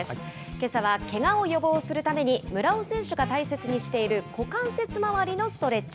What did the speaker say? けさはけがを予防するために、村尾選手が大切にしている股関節回りのストレッチ。